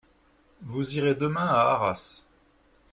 Vous irez demain à Arras.